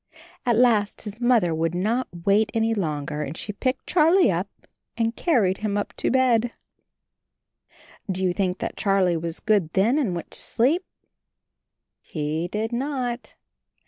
At last his Mother would not wait any 4ND HIS KITTEN TOPSY 79 longer, and she picked Charlie up and car ried him up to bed. Do you think that Charlie was good then and went to sleep? He did not.